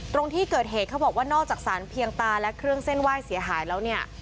ตรงที่เกิดเหตุเขาบอกว่านอกจากสารเพียงตาและเครื่องเส้นไหว้เสียหายแล้วเนี่ย